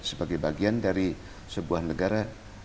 sebagai bagian dari sebuah negara